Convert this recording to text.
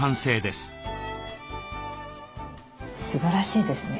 すばらしいですね。